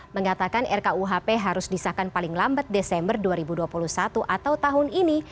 mengatakan rkuhp harus disahkan paling lambat desember dua ribu dua puluh satu atau tahun ini